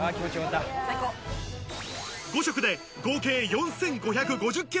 ５食で合計４５５０ｋｃａｌ。